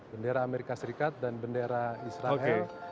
bendera amerika serikat dan bendera israel